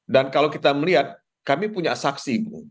dan kalau kita melihat kami punya saksi